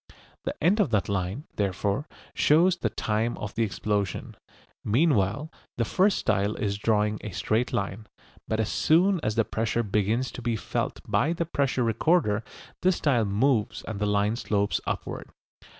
The end of that line, therefore, shows the time of the explosion. Meanwhile the first style is drawing a straight line, but as soon as the pressure begins to be felt by the pressure recorder this style moves and the line slopes upward.